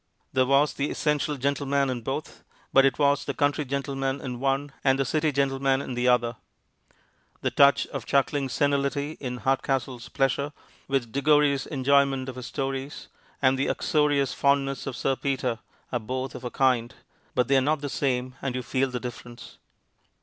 There was the essential gentleman in both, but it was the country gentleman in one and the city gentleman in the other. The touch of chuckling senility in Hardcastle's pleasure with Diggory's enjoyment of his stories, and the uxorious fondness of Sir Peter, are both of a kind, but they are not the same, and you feel the difference.